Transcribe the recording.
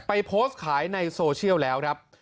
โพสต์ขายในโซเชียลแล้วครับ